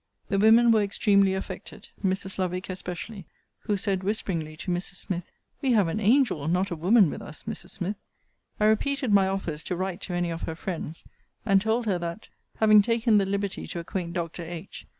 The women were extremely affected, Mrs. Lovick especially; who said, whisperingly to Mrs. Smith, We have an angel, not a woman, with us, Mrs. Smith! I repeated my offers to write to any of her friends; and told her, that, having taken the liberty to acquaint Dr. H.